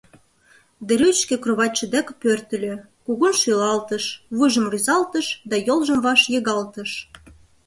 Де Рюйт шке кроватьше деке пӧртыльӧ, кугун шӱлалтыш, вуйжым рӱзалтыш да йолжым ваш йыгалтыш.